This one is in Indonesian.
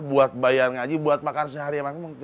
buat bayar ngaji buat makan sehari